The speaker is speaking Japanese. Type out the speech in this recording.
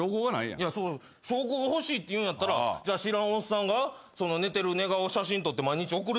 いや証拠が欲しいっていうんやったら知らんおっさんが寝てる寝顔を写真撮って毎日送る。